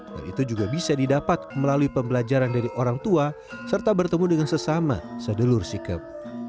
dan itu juga bisa didapat melalui pembelajaran dari orang tua serta bertemu dengan sesama sedulur sikep